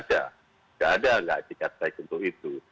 tidak ada tidak itikat baik untuk itu